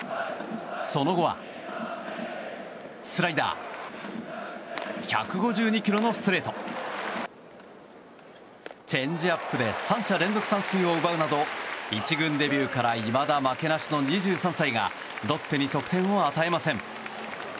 その後は、スライダー１５２キロのストレートチェンジアップで３者連続三振を奪うなど１軍デビューからいまだ負けなしの２３歳がロッテに得点を与えません。